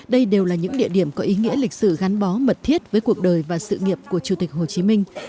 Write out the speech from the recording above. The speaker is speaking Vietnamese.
đây đều là những địa điểm có ý nghĩa lịch sử gắn bó mật thiết với cuộc đời và sự nghiệp của chủ tịch hồ chí minh